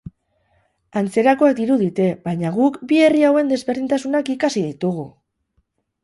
Antzerakoak dirudite, baina guk bi herri hauen desberdintasunak ikasi ditugu!